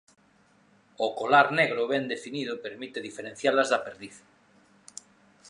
O colar negro ben definido permite diferencialas da perdiz.